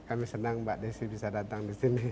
kami senang mbak desi bisa datang di sini